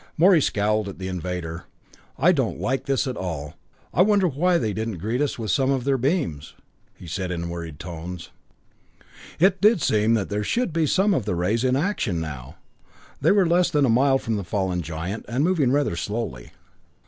Morey scowled at the invader. "I don't like this at all. I wonder why they didn't greet us with some of their beams," he said in worried tones. It did seem that there should be some of the rays in action now. They were less than a mile from the fallen giant, and moving rather slowly.